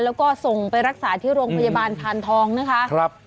แล้วก็ส่งไปรักษาที่โรงพยาบาลพานทองนะคะ